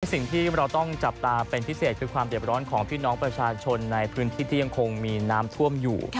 สิ่งที่เราต้องจับตาเป็นพิเศษคือความเด็บร้อนของพี่น้องประชาชนในพื้นที่ที่ยังคงมีน้ำท่วมอยู่